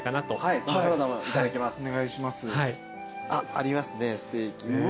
ありますねステーキ。